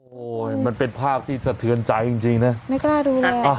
โอ้ยมันเป็นภาพที่สะเทือนใจจริงจริงนะไม่กล้าดูเลยอ่ะ